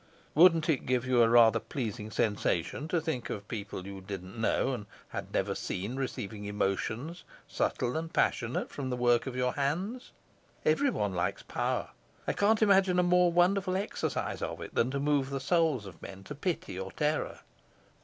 "Wouldn't it give you a rather pleasing sensation to think of people you didn't know and had never seen receiving emotions, subtle and passionate, from the work of your hands? Everyone likes power. I can't imagine a more wonderful exercise of it than to move the souls of men to pity or terror."